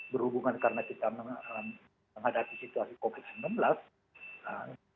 berhubungan karena kita menghadapi situasi covid sembilan belas